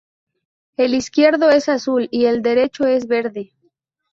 El izquierdo es azul y el derecho es verde.